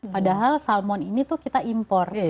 padahal salmon ini tuh kita impor